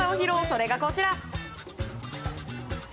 それがこちら。